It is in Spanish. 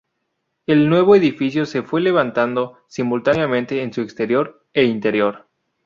El nuevo edificio se fue levantando simultáneamente en su exterior e interior.